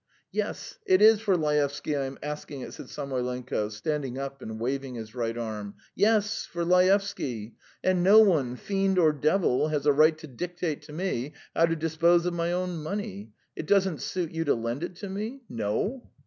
"Yes, it is for Laevsky I am asking it," said Samoylenko, standing up and waving his right arm. "Yes! For Laevsky! And no one, fiend or devil, has a right to dictate to me how to dispose of my own money. It doesn't suit you to lend it me? No?"